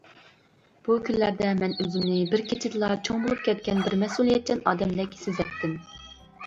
بۇ كۈنلەردە مەن ئۆزۈمنى بىر كېچىدىلا چوڭ بولۇپ كەتكەن بىر مەسئۇلىيەتچان ئادەمدەك سېزەتتىم.